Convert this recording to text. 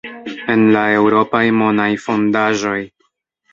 en la eŭropaj monaj fondaĵoj.